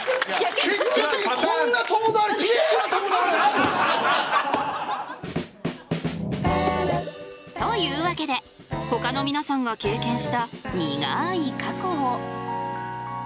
結果的にこんな共倒れきれいな共倒れある？というわけでほかの皆さんが経験した苦い過去を。